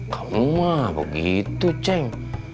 kamu mah begitu ceng